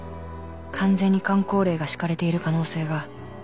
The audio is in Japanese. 完全にかん口令が敷かれている可能性が